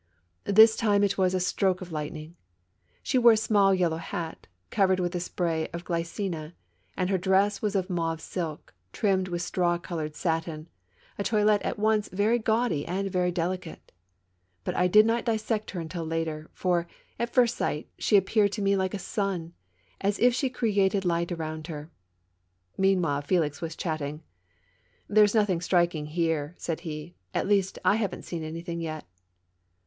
This time it was a stroke of lightning. She wore a small yellow hat, covered with a spray of glycina, and her dress was of mauve silk,^ trimmed with straw colored satin, a toilet 36 SALON AND THEATRE. at once very gaudy and very delicate. But I did not dissect her until later; for, at first sight, she appeared to me like a sun — as if she created light about her. Meanwhile, F^lix was chatting. "There's nothing striking here," said he; "at least, I haven't seen anything yet."